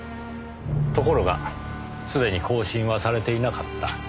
ところがすでに更新はされていなかった。